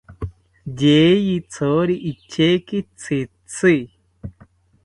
Yeyithori icheki tzitzi